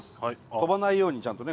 飛ばないようにちゃんとね